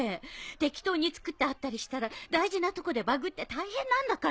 適当に作ってあったりしたら大事なとこでバグって大変なんだから。